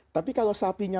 tapi kalau sapinya